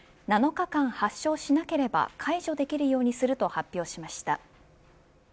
７日間発症しなければ解除できるようにすると発表しました。